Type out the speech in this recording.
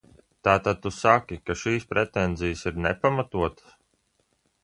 Tātad tu saki, ka šīs pretenzijas ir nepamatotas?